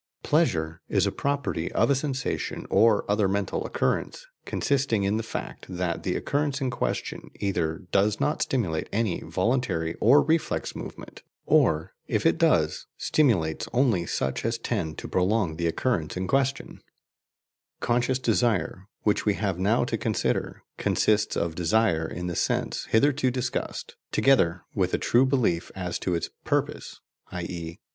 "Pleasure" is a property of a sensation or other mental occurrence, consisting in the fact that the occurrence in question either does not stimulate any voluntary or reflex movement, or, if it does, stimulates only such as tend to prolong the occurrence in question.* * Cf. Thorndike, op. cit., p. 243. "Conscious" desire, which we have now to consider, consists of desire in the sense hitherto discussed, together with a true belief as to its "purpose," i.e.